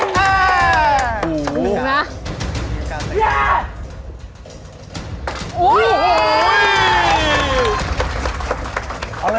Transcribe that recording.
กับเราเราอ่ะ